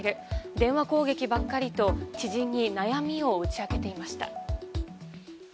電話攻撃ばかりと知人に悩みを打ち明けていました。